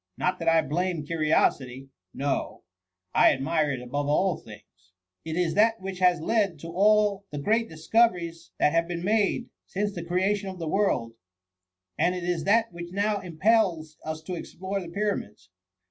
Not that I blame curiosity— no— I admire it above all things !— it is that which has led to all the great dis coveries that have been made since the creation of the world, and it is that which now impels us to explore the pyramids.